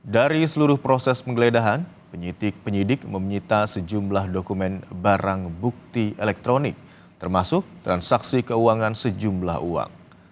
dari seluruh proses penggeledahan penyidik penyidik menyita sejumlah dokumen barang bukti elektronik termasuk transaksi keuangan sejumlah uang